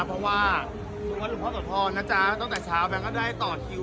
เพราะว่าทุกคนรุ่นพ่อสวทลนะจ๋าตั้งแต่เช้าแบงก็ได้ตอดคิว